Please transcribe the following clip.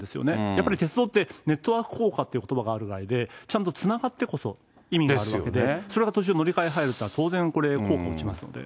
やっぱり鉄道ってネットワーク効果ってことばがあるぐらいで、ちゃんとつながってこそ意味があるわけで、それが途中乗り換え入るとは、当然これ、効果落ちますよね。